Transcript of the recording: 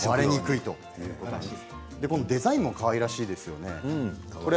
デザインもかわいらしいですよね。